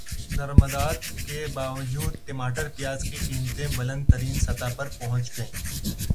درمدات کے باوجود ٹماٹر پیاز کی قیمتیں بلند ترین سطح پر پہنچ گئیں